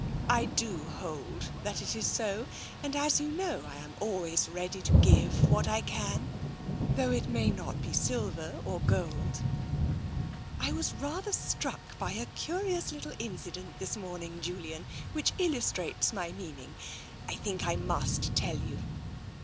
I do hold that it is so, and, as you know, I am always ready to give what I can, though it may not be silver or gold. I was rather struck by a curious little incident this morning, Julian, which illustrates my meaning. I think I must tell you."